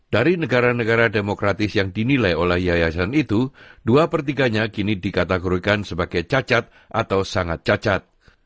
dari negara negara demokratis yang dinilai oleh yayasan itu dua per tiganya kini dikategorikan sebagai cacat atau sangat cacat